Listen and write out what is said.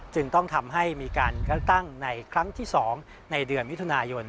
จึงต้องทำให้มีการเลือกตั้งในครั้งที่๒ในเดือนมิถุนายน